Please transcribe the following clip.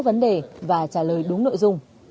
vấn đề và trả lời đúng nội dung